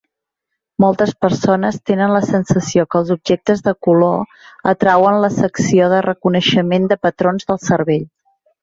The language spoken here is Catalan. Moltes persones tenen la sensació que els objectes de color atrauen la secció de reconeixement de patrons del cervell.